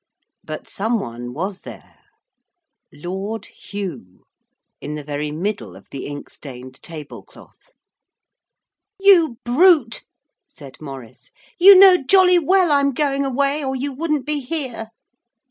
But some one was there: Lord Hugh, in the very middle of the ink stained table cloth. 'You brute,' said Maurice; 'you know jolly well I'm going away, or you wouldn't be here.'